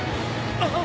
あっ！？